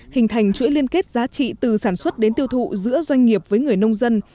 hình thành chuỗi liên kết giá trị từ sản xuất đến tiêu thụ giữa doanh nghiệp với người nông dân